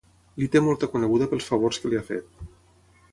Li té molta coneguda pels favors que li ha fet.